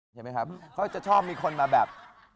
ใช่ไหมครับก็ชอบมีคนมาแบบ